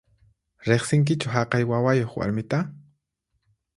Riqsinkichu haqay wawayuq warmita?